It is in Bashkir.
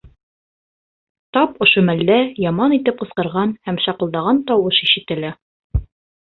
Тап ошо мәлдә яман итеп ҡысҡырған һәм шаҡылдаған тауыш ишетелә.